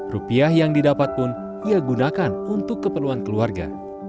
rupiah yang didapat pun ia gunakan untuk keperluan keluarga